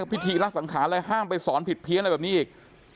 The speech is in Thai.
พิธีละสังขารอะไรห้ามไปสอนผิดเพี้ยนอะไรแบบนี้อีก